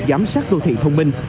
giám sát đô thị thông minh